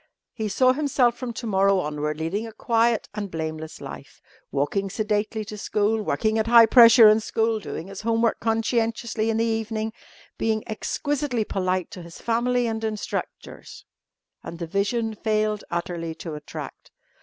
He saw himself from to morrow onward leading a quiet and blameless life, walking sedately to school, working at high pressure in school, doing his homework conscientiously in the evening, being exquisitely polite to his family and instructors and the vision failed utterly to attract.